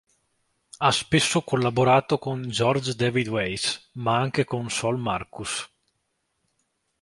Ha spesso collaborato con George David Weiss, ma anche con Sol Marcus.